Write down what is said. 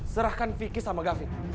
serahkan vicky sama gavin